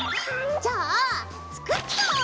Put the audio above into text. じゃあ作っちゃおうよ！